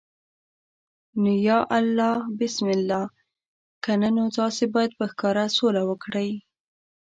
نو یا الله بسم الله، کنه نو تاسو باید په ښکاره سوله وکړئ.